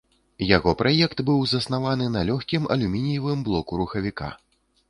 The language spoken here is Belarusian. Яго праект быў заснаваны на лёгкім алюмініевым блоку рухавіка.